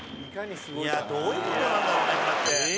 「どういう事なんだろうねこれって」